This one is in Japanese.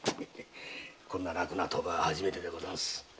こんな楽な賭場は初めてでござんす。